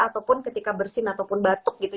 ataupun ketika bersin ataupun batuk gitu